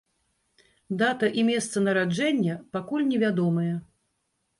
Дата і месца нараджэння пакуль невядомыя.